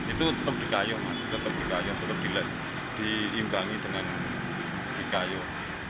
itu tetap dikayuh tetap dikayuh tetap diimbangi dengan dikayuh